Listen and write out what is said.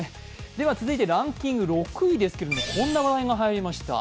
続いてランキング６位ですけれどもこんな話題が入りました。